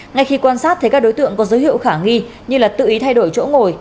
ngay khi quan sát thấy các đối tượng có dấu hiệu khả nghi như tự ý thay đổi chỗ ngồi